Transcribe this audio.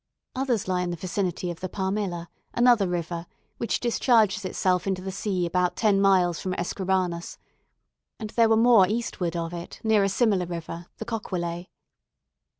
Others lie in the vicinity of the Palmilla another river, which discharges itself into the sea about ten miles from Escribanos; and there were more eastward of it, near a similar river, the Coquelet.